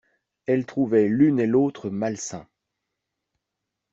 elle trouvait l’une et l’autre malsains.